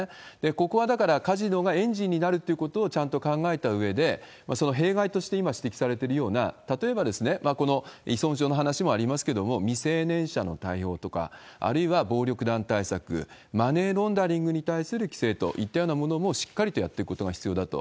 ここはだからカジノがエンジンになるっていうことをちゃんと考えたうえで、その弊害として今、指摘されているような、例えば、この依存症の話もありますけれども、未成年者の対応とか、あるいは暴力団対策、マネーロンダリングに対する規制といったようなものも、しっかりとやっていくことが必要だと。